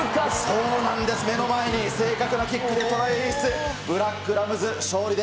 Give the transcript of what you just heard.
そうなんです、目の前に正確なキックでトライを演出。